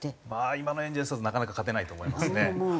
今のエンゼルスだとなかなか勝てないと思いますね。